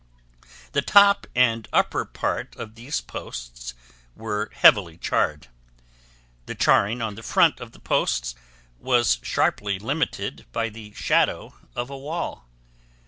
The top and upper part of these posts were heavily charred. The charring on the front of the posts was sharply limited by the shadow of a wall.